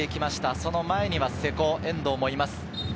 その前には瀬古、遠藤もいます。